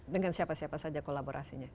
dengan siapa siapa saja kolaborasinya